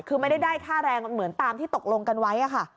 คือไม่ได้ได้ค่าแรงเหมือนตามที่ตกลงกันไว้ค่ะ